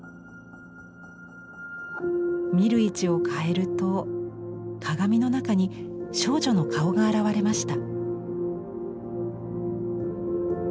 見る位置を変えると鏡の中に少女の顔が現れました。